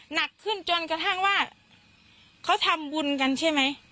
หนักขึ้นจนกระทั่งว่าเขาทำบุญกันใช่ไหม